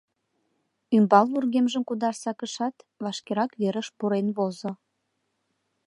Ӱмбал вургемжым кудаш сакышат, вашкерак верыш пурен возо.